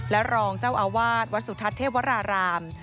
และรองเจ้าอาวาสวัสดิ์ทัวรฐรราม